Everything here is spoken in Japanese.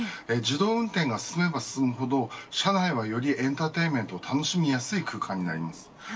自動運転が進めば進むほど車内は、よりエンターテインメントを楽しみやすい空間になります。